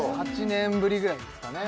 ８年ぶりくらいですかね